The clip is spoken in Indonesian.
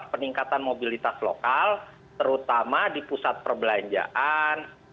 peningkatan mobilitas lokal terutama di pusat perbelanjaan